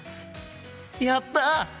やった！